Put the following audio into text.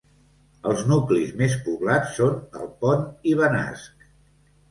Els nuclis més poblats són el Pont i Benasc.